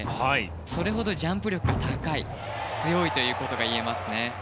それほどジャンプ力が高い強いということが言えますね。